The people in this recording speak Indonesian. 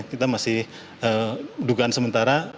kita masih dugaan sementara